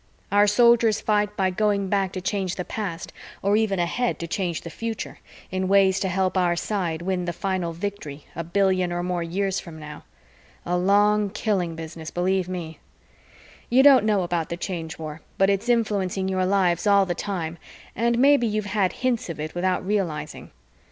Our Soldiers fight by going back to change the past, or even ahead to change the future, in ways to help our side win the final victory a billion or more years from now. A long killing business, believe me. You don't know about the Change War, but it's influencing your lives all the time and maybe you've had hints of it without realizing.